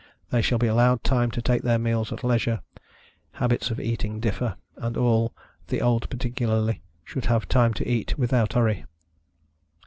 They shall be allowed time to take their meals at leisureâ€"habits of eating differ, and all (the old particularly) should have time to eat without hurry.